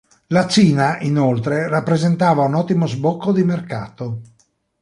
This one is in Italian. La Cina inoltre rappresentava un ottimo sbocco di mercato.